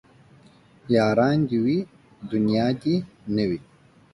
ياران دي وي دونيا دي نه وي